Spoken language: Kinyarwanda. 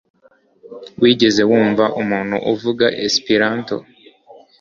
Wigeze wumva umuntu uvuga Esperanto?